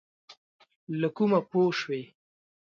له کومه پوه شوې؟